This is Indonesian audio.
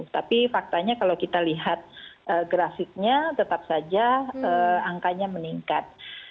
tapi faktanya kalau kita lihat grafiknya tetap saja angkanya meningkat